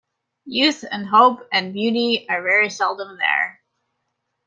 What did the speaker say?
Youth, and hope, and beauty are very seldom there.